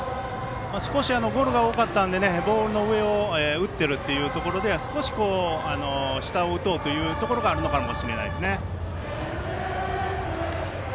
少しゴロが多かったのでボールの上を打ってるという意味では少し、下を打とうというところがあるのかもしれないですね。